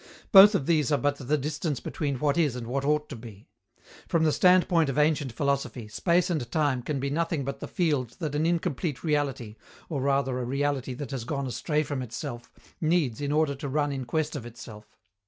Both of these are but the distance between what is and what ought to be. From the standpoint of ancient philosophy, space and time can be nothing but the field that an incomplete reality, or rather a reality that has gone astray from itself, needs in order to run in quest of itself.